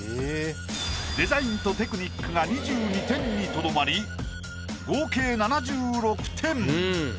デザインとテクニックが２２点にとどまり合計７６点。